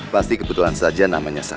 pasti kebetulan saja namanya